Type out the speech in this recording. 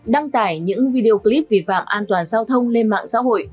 đăng tải những video clip vi phạm an toàn giao thông lên mạng xã hội